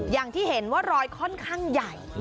อย่างที่เห็นว่ารอยค่อนข้างใหญ่